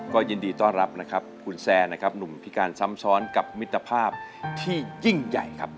ก็ยินดีต้อนรับนะครับคุณแซนนะครับหนุ่มพิการซ้ำซ้อนกับมิตรภาพที่ยิ่งใหญ่ครับ